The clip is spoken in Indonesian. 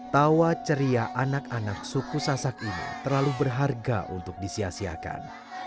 tawa ceria anak anak suku sasak ini terlalu berharga untuk disiasiakan